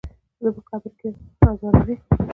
زه په قبر کې ازاروي.